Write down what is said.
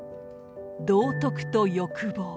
「道徳」と「欲望」。